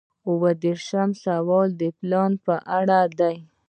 اووه دېرشم سوال د پلان په اړه دی.